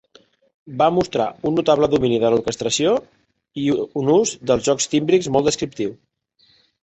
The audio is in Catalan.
Va mostrar un notable domini de l'orquestració i un ús dels jocs tímbrics molt descriptiu.